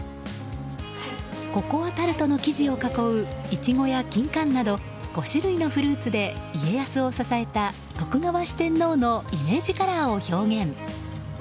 ココアタルトの生地を囲うイチゴやキンカンなど５種類のフルーツで家康を支えた徳川四天王のイメージカラーを表現。